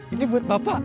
ini buat bapak